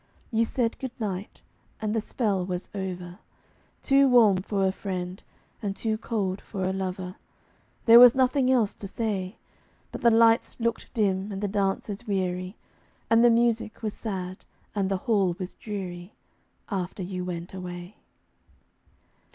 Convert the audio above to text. You said good night, and the spell was over Too warm for a friend, and too cold for a lover There was nothing else to say; But the lights looked dim, and the dancers weary, And the music was sad, and the hall was dreary, After you went away.